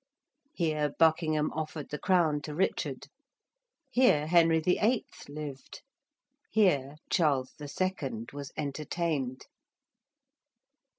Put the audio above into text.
Here Buckingham offered the Crown to Richard. Here Henry VIII. lived. Here Charles II. was entertained.